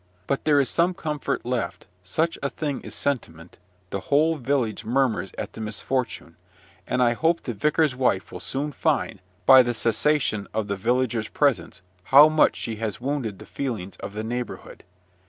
But there is some comfort left, such a thing is sentiment, the whole village murmurs at the misfortune; and I hope the vicar's wife will soon find, by the cessation of the villagers' presents, how much she has wounded the feelings of the neighborhhood.